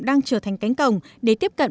đang trở thành cánh cổng để tiếp cận